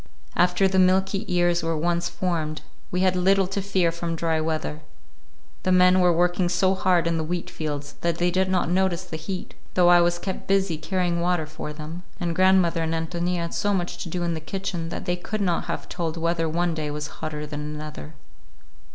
After the milky ears were once formed, we had little to fear from dry weather. The men were working so hard in the wheatfields that they did not notice the heat,—though I was kept busy carrying water for them,—and grandmother and Ántonia had so much to do in the kitchen that they could not have told whether one day was hotter than another.